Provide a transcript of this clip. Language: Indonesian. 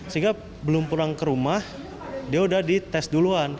sehingga belum pulang ke rumah dia udah dites duluan